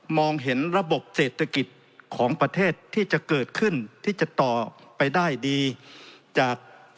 เห็นระบบเศรษฐกิจของประเทศที่จะเกิดขึ้นที่จะต่อไปได้ดีจาก